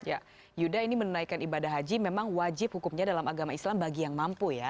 ya yuda ini menunaikan ibadah haji memang wajib hukumnya dalam agama islam bagi yang mampu ya